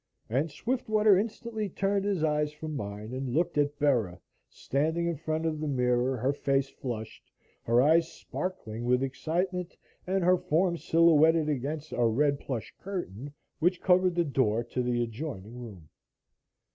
and Swiftwater instantly turned his eyes from mine and looked at Bera standing in front of the mirror, her face flushed, her eyes sparkling with excitement and her form silhouetted against a red plush curtain which covered the door to the adjoining room.